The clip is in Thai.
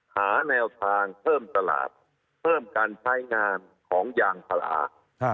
หาแนวทางเพิ่มตลาดเพิ่มการใช้งานของยางพารา